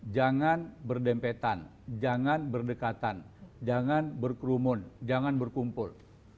jangan berdempetan jangan berdekatan jangan berkerumun jangan berkumpul